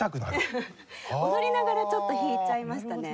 踊りながらちょっと弾いちゃいましたね。